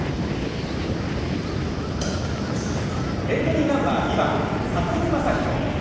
エントリーナンバー２番里見雅彦。